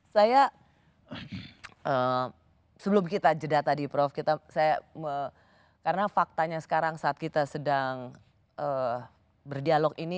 saya sebelum kita jeda tadi prof karena faktanya sekarang saat kita sedang berdialog ini